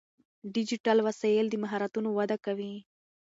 ډیجیټل وسایل د مهارتونو وده کوي.